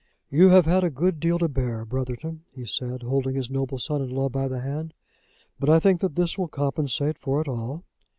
"You have had a good deal to bear, Brotherton," he said, holding his noble son in law by the hand; "but I think that this will compensate for it all."